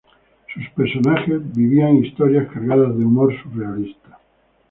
Sus personajes vivían historias cargadas de humor surrealista.